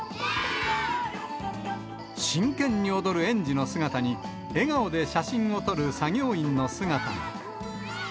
真剣に踊る園児の姿に、笑顔で写真を撮る作業員の姿も。